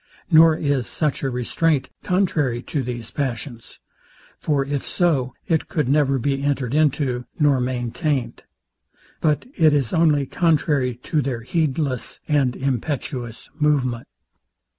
Nor is such a restraint contrary to these passions; for if so, it could never be entered into, nor maintained; but it is only contrary to their heedless and impetuous movement.